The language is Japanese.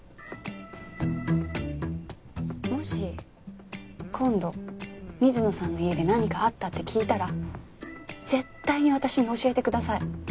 もし今度水野さんの家で何かあったって聞いたら絶対に私に教えてください。